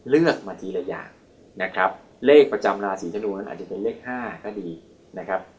เลือกมาทีละอย่างนะครับเลขประจำราศีธนูนั้นอาจจะเป็นเลข๕ก็ดีนะครับ